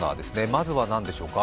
までは何でしょうか？